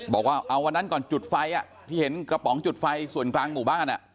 บอกว่าเอาวันนั้นก่อนจุดไฟที่เห็นกระป๋องจุดไฟส่วนกลางหมู่บ้าน